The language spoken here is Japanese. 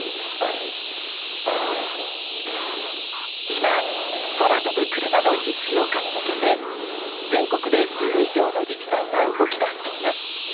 今、空飛ぶクルマの実用化に向けて全国で１０以上の自治体が動き出しています。